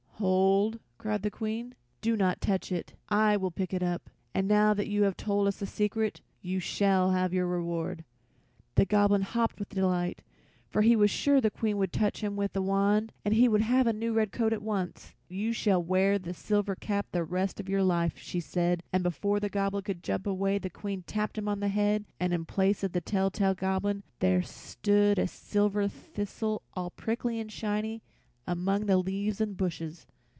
"Hold!" cried the Queen; "do not touch it. I will pick it up, and now that you have told us the secret you shall have your reward." The Goblin hopped with delight, for he was sure the Queen would touch him with the wand and he would have a new red coat at once. "You shall wear the silver cap the rest of your life," she said, and before the Goblin could jump away the Queen tapped him on the head, and in place of the tell tale Goblin there stood a silver thistle, all prickly and shining among the leaves and bushes.